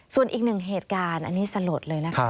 ส่วนอีกหนึ่งเหตุการณ์อันนี้สลดเลยนะคะ